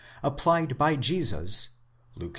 applied by Jesus (Luke iv.)